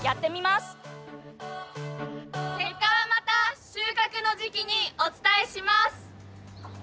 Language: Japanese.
結果はまた収穫の時期にお伝えします。